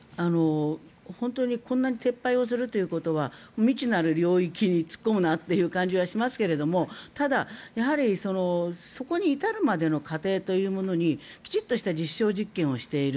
本当にこんな撤廃をするということは未知なる領域に突っ込むなという感じがしますがただ、やはりそこに至るまでの過程というものにきちんとした実証実験をしている。